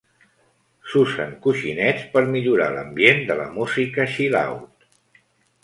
S'usen coixinets per millorar l'ambient de la música "chill out".